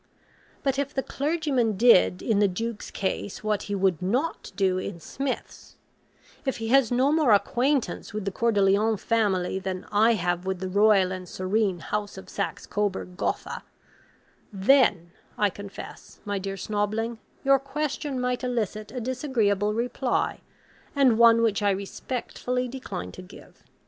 But if the clergyman did in the Duke's case what he would NOT do in Smith's; if he has no more acquaintance with the Coeurdelion family than I have with the Royal and Serene House of Saxe Coburg Gotha, THEN, I confess, my dear Snobling, your question might elicit a disagreeable reply, and one which I respectfully decline to give.